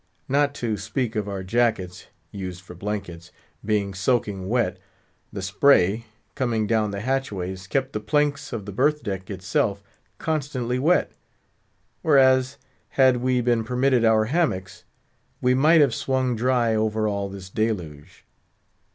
Not to speak of our jackets—used for blankets—being soaking wet, the spray, coming down the hatchways, kept the planks of the berth deck itself constantly wet; whereas, had we been permitted our hammocks, we might have swung dry over all this deluge.